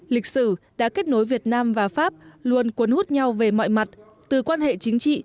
lịch sử đã kết nối việt nam và pháp luôn cuốn hút nhau về mọi mặt từ quan hệ chính trị